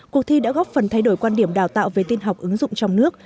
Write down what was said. cuộc thi đã góp phần thay đổi quan điểm đào tạo về tin học ứng dụng trong nước